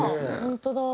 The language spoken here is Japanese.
本当だ。